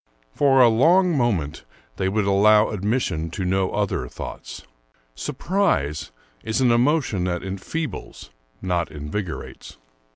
For a long time they would allow admis sion to no other thoughts. Surprise is an emotion that enfeebles, not invigorates.